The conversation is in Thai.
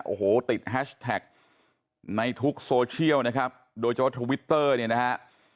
โอ้โหติดแฮชแท็กในทุกโซเชียลนะครับโดยเฉพาะทวิตเตอร์เนี่ยนะฮะ